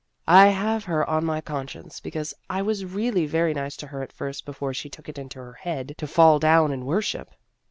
" I have her on my conscience because I was really very nice to her at first before she took it into her head to fall down and worship."